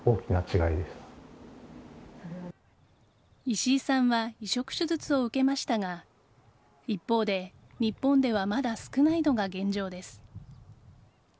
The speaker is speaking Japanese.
石井さんは移植手術を受けましたが一方で、日本ではまだ少ないのが現状です。